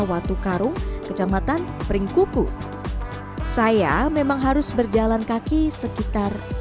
batu karung kecamatan pringkuku saya memang harus berjalan kaki sekitar sepuluh